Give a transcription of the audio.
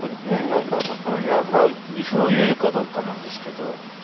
ねえ何かだからいやまあ歩を入れるかどうかなんですけど。